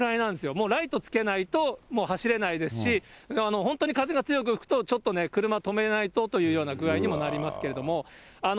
もうライトつけないともう走れないですし、本当に風が強く吹くと、ちょっとね、車止めないとというような具合にもなりますけど。